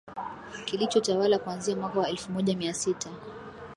Kilichotawala kuanzia mwaka wa elfu moja mia sita